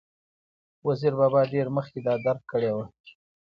وزیر بابا ډېر مخکې دا درک کړې وه،